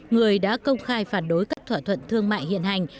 người đã công khai phản đối các thỏa thuận thương mại hiện hành